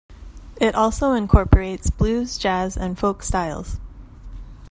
It also incorporates blues, jazz, and folk styles.